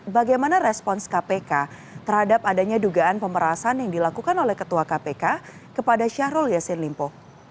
bagaimana respons kpk terhadap adanya dugaan pemerasan yang dilakukan oleh ketua kpk kepada syahrul yassin limpo